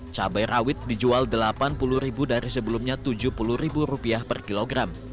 cabai rawit dijual rp delapan puluh dari sebelumnya rp tujuh puluh per kilogram